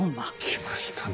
きましたね。